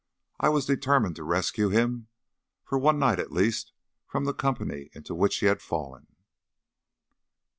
I was determined to rescue him, for one night at least, from the company into which he had fallen.